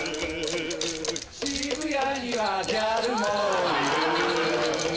渋谷にはギャルもいる